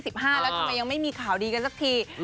แล้วทำไมยังไม่มีข่าวดีกันสักที